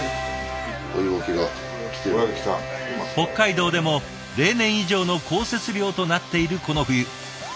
北海道でも例年以上の降雪量となっているこの冬。